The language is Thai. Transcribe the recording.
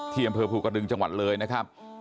ท่ียำเพื่อภูกระดึงจังหวัดละคร